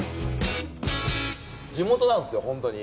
地元なんですよ本当に。